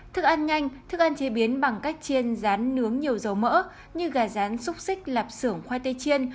thức ăn nhanh thức ăn chế biến bằng cách chiên rán nướng nhiều dầu mỡ như gà rán xúc xích lạp sưởng khoai tây chiên